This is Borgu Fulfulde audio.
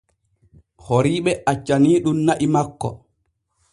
Horiiɓe accaniiɗun na'i makko.